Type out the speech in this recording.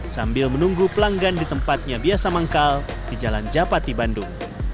sambil menunggu pelanggan di tempatnya biasa manggal di jalan japati bandung